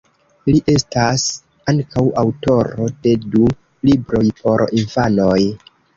Li estas ankaŭ aŭtoro de du libroj por infanoj.